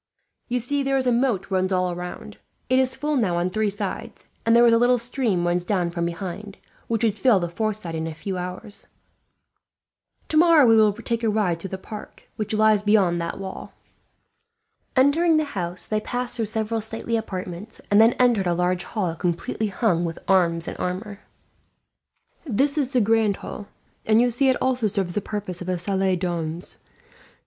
You see there is a moat runs all round. It is full now on three sides, and there is a little stream runs down from behind, which would fill the fourth side in a few hours. "Tomorrow we will take a ride through the park, which lies beyond that wall." Entering the house, they passed through several stately apartments, and then entered a large hall completely hung with arms and armour. [Illustration: Philip and Francois in the armoury.] "This is the grand hall, and you see it serves also the purpose of a salle d'armes.